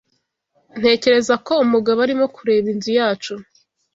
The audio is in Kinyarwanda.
Ntekereza ko umugabo arimo kureba inzu yacu.